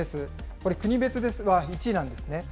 これ、国別ですが、１位なんですね。